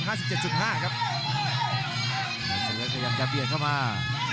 ก็สิเล็กกำลังจะเบียดเข้ามา